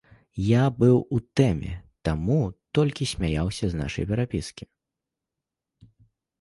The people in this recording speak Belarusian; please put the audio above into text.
Я быў у тэме, таму толькі смяяўся з нашай перапіскі.